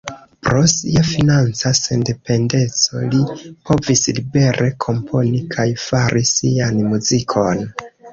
Pro sia financa sendependeco li povis libere komponi kaj fari sian muzikon.